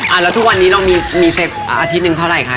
แล้วทุกวันนี้เรามีมีเซฟอาทิตย์หนึ่งเท่าไหร่คะ